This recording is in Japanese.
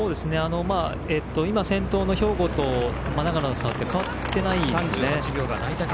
今、先頭の兵庫と長野の差って変わってないんですよね。